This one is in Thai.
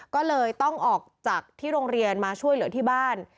ก็เลยต้องออกจากที่โรงเรียนมาช่วยเหลือที่บ้าน